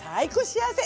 幸せ！